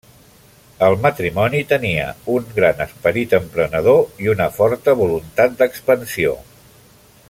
El matrimoni tenia un gran esperit emprenedor i una forta voluntat d'expansió.